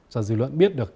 cho dư luận biết được